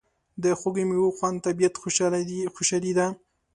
د خوږو میوو خوند طبیعي خوشالي ده.